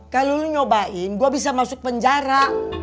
kalo lu nyobain gua bisa masuk penjara